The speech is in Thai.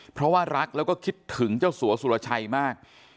เพราะว่ารักแล้วก็คิดถึงเจ้าสัวสุรชัยมาก